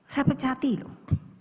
saya pecati loh